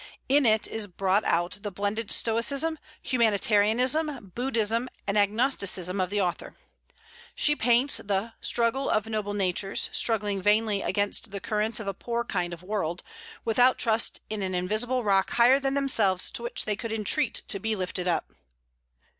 In it is brought out the blended stoicism, humanitarianism, Buddhism, and agnosticism of the author. She paints the "struggle of noble natures, struggling vainly against the currents of a poor kind of world, without trust in an invisible Rock higher than themselves to which they could entreat to be lifted up."